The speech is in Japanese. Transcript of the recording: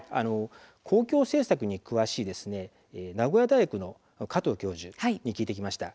公共政策に詳しい名古屋大学の加藤教授に聞いてきました。